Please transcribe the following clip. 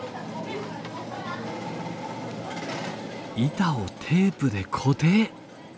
板をテープで固定。